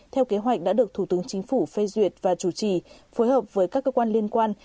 theo kế hoạch đã được thủ tướng chính phủ phê duyệt và chủ trì phối hợp với các cơ quan liên quan